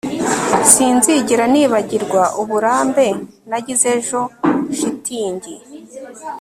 Sinzigera nibagirwa uburambe nagize ejo shitingi